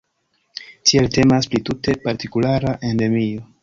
Tiele temas pri tute partikulara endemio.